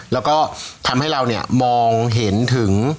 แล้วก็ทำให้เราเนี่ยมองเห็นถึง